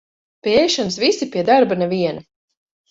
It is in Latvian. Pie ēšanas visi, pie darba neviena.